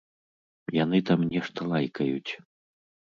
Яны там нешта лайкаюць.